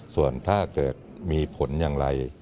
ส่วนถ้าเกิดมีผลอย่างไร